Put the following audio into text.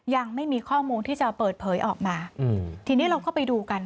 ยังไม่มีข้อมูลที่จะเปิดเผยออกมาอืมทีนี้เราก็ไปดูกัน